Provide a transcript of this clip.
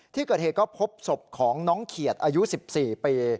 ที่เกิดเหตุก็พบศพของน้องเขียดอายุ๑๔ปี